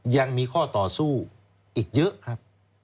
ยังมีข้อต่อสู้อีกเยอะครับ